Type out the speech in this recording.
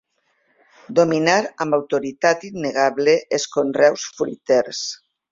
Dominar amb autoritat innegable els conreus fruiters.